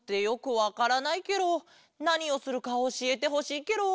なにをするかおしえてほしいケロ。